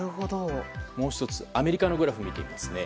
もう１つアメリカのグラフを見てみます。